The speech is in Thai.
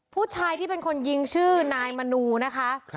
ผู้ชายที่เป็นคนยิงชื่อนายมนูนะคะ